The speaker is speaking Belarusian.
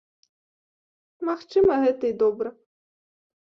Магчыма, гэта і добра.